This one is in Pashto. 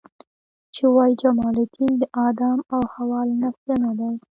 چې وایي جمال الدین د آدم او حوا له نسله نه دی.